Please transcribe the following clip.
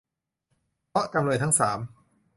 เพราะจำเลยทั้งสาม